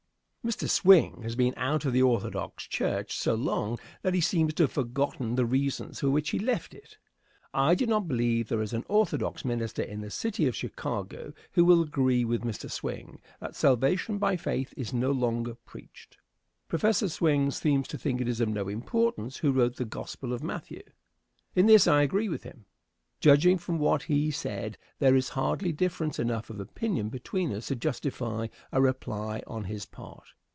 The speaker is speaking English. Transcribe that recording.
Answer. Mr. Swing has been out of the orthodox church so long that he seems to have forgotten the reasons for which he left it. I do not believe there is an orthodox minister in the city of Chicago who will agree with Mr. Swing that salvation by faith is no longer preached. Prof. Swing seems to think it of no importance who wrote the gospel of Matthew. In this I agree with him. Judging from what he said there is hardly difference enough of opinion between us to justify a reply on his part.